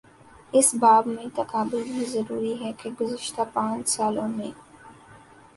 اس باب میں تقابل بھی ضروری ہے کہ گزشتہ پانچ سالوں میں